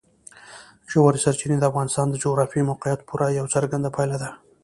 ژورې سرچینې د افغانستان د جغرافیایي موقیعت پوره یوه څرګنده پایله ده.